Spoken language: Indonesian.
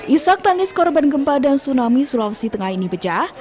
isak tangis korban gempa dan tsunami sulawesi tengah ini pecah